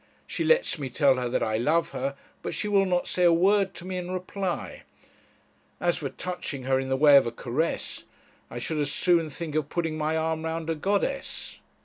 She lets me tell her that I love her, but she will not say a word to me in reply; as for touching her in the way of a caress, I should as soon think of putting my arm round a goddess.'